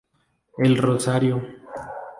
El Rosario.